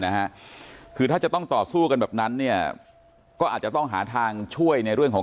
นะฮะคือถ้าจะต้องต่อสู้กันแบบนั้นเนี่ยก็อาจจะต้องหาทางช่วยในเรื่องของ